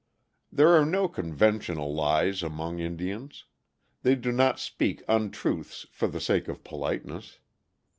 There are no conventional lies among Indians. They do not speak untruths for the sake of politeness.